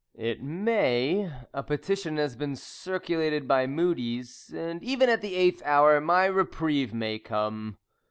It may. A petition has been circulated by Mudie's, and even at the eighth hour my reprieve may come.